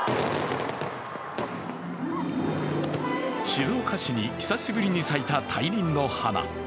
静岡市に久しぶりに咲いた大輪の華。